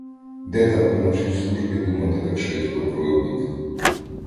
Де там при нашій службі думати так швидко про обід!